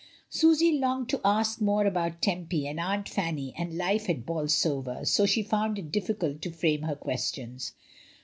Susy longed to ask more about Tempy and Aunt Fanny and life at Bolsover, but she found it difficult to frame her questions.